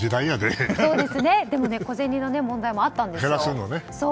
でもね小銭の問題もあったんですよ。